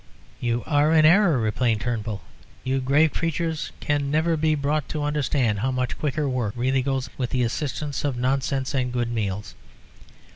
"You are in error," explained Turnbull. "You grave creatures can never be brought to understand how much quicker work really goes with the assistance of nonsense and good meals.